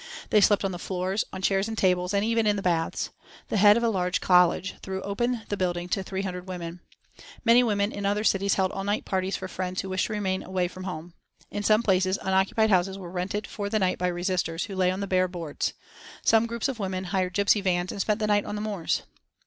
They slept on the floors, on chairs and tables, and even in the baths. The head of a large college threw open the building to 300 women. Many women in other cities held all night parties for friends who wished to remain away from home. In some places unoccupied houses were rented for the night by resisters, who lay on the bare boards. Some groups of women hired gipsy vans and spent the night on the moors.